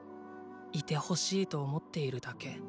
いてほしいと思っているだけ。